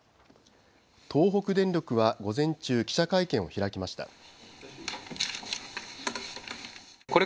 東北電力は午前中、記者会見を開きました。